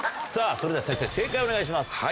さぁそれでは先生正解をお願いします。